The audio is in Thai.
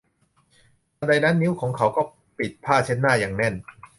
ทันใดนั้นนิ้วของเขาก็ปิดผ้าเช็ดหน้าอย่างแน่น